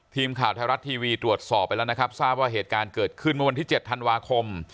ทีมข่าวไทยรัฐทีวีตรวจสอบไปแล้วนะครับทราบว่าเหตุการณ์เกิดขึ้นเมื่อวันที่๗ธันวาคม